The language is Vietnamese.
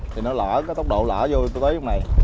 thì nó lỡ cái tốc độ lỡ vô tới trong này